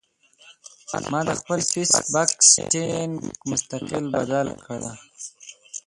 ما د خپل فېس بک سېټنګ مستقل بدل کړۀ